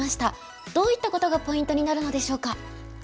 どういったことがポイントになるのでしょうか。